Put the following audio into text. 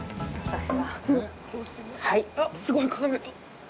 あっ、すごい鏡。